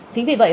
chính vì vậy